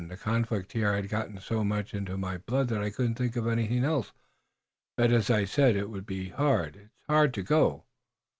The conflict here had gotten so much into my blood that I couldn't think of anything else. But, as I said it would be, it's hard to go."